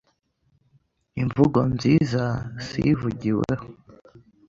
Imvugo nziza si ivugiweho